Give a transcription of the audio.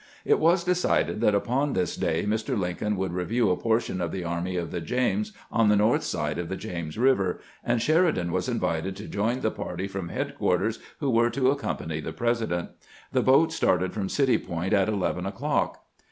It was decided that upon this day Mr. Lincoln would review a portion of the Army of the James on the north side of the James River, and Sheridan was invited to join the party from headquarters who were to accom pany the President. The boat started from City Point at eleven o'clock.